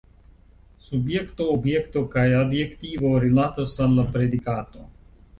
Subjekto, objekto kaj adjektivo rilatas al la predikato.